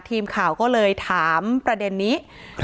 ทีมข่าวก็เลยถามประเด็นนี้